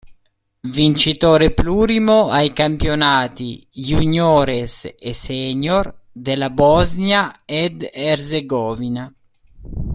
Vincitore plurimo ai campionati juniores e senior della Bosnia ed Erzegovina.